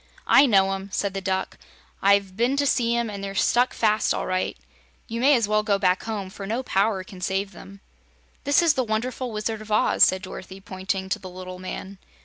"I know 'em," said the Duck. "I've been to see 'em, and they're stuck fast, all right. You may as well go back home, for no power can save them." "This is the Wonderful Wizard of Oz," said Dorothy, pointing to the little man.